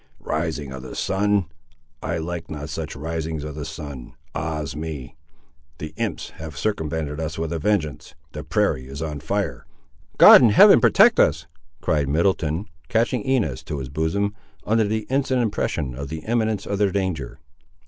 "Rising of the sun! I like not such risings of the sun. Ah's me! the imps have circumvented us with a vengeance. The prairie is on fire!" "God in Heaven protect us!" cried Middleton, catching Inez to his bosom, under the instant impression of the imminence of their danger.